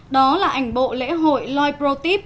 đó là ảnh bộ lễ hội loi pro tip